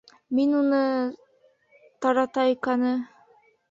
Мин уны, таратайканы...